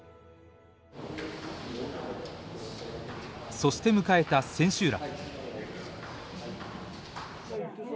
そして迎えた千秋楽。